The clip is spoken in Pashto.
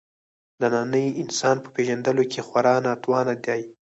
د ننني انسان په پېژندلو کې خورا ناتوانه دی.